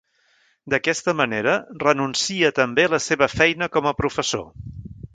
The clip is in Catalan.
D'Aquesta manera, renuncia també a la seva feina com a professor.